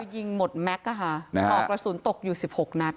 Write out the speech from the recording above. ยิงหมดแม็กซ์ปอกกระสุนตกอยู่๑๖นัด